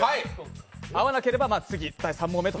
合わなければ次、３問目と。